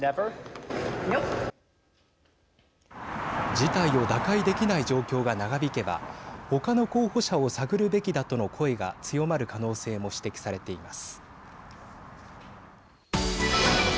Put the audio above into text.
事態を打開できない状況が長びけば他の候補者を探るべきだとの声が強まる可能性も指摘されています。